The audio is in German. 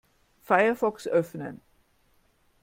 Firefox öffnen.